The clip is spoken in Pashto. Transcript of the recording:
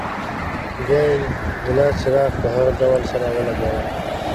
بیا یې د لاسي چراغ په هغه ډول سره ولګوئ.